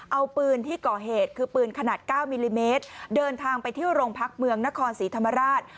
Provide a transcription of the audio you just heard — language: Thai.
เอาปืนที่ก่อเหตุคือปืนขนาด๙มิลลิเมตรเดินทางไปที่โรงพักเมืองนครศรีธรรมราช